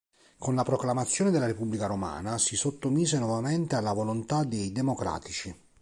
Con la proclamazione della Repubblica romana si sottomise nuovamente alla volontà dei democratici.